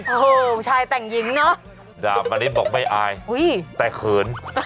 โอ้โหชายแต่งหญิงเนอะดาบมณิชย์บอกไม่อายแต่เขิน